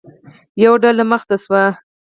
یوه ډله مخې ته شوه.